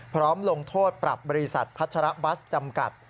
ลงโทษปรับบริษัทพัชระบัสจำกัด